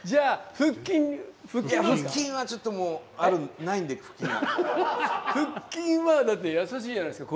腹筋はちょっともう腹筋はだってやさしいじゃないですか。